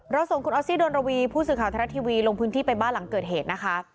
ส่งคุณออสซี่ดนระวีผู้สื่อข่าวไทยรัฐทีวีลงพื้นที่ไปบ้านหลังเกิดเหตุนะคะ